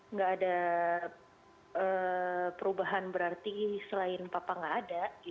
nggak ada perubahan berarti selain papa nggak ada